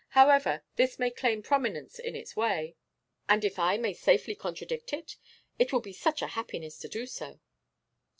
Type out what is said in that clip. However, this may claim prominence, in its way.' 'And I may safely contradict it? It will be such a happiness to do so.